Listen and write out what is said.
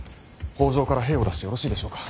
北条から兵を出してよろしいでしょうか。